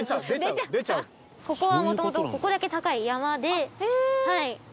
ここはもともとここだけ高い山で。